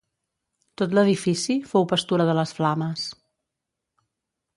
Tot l'edifici fou pastura de les flames.